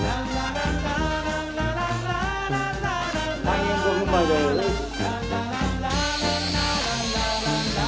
開演５分前です。